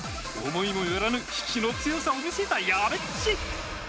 思いもよらぬ引きの強さを見せたやべっち。